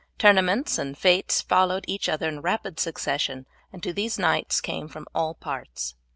Tournaments and fetes followed each other in rapid succession, and to these knights came from all parts.